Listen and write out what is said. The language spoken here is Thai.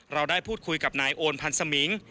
เราได้พูดคุยกับนายโอนพันธ์สมิง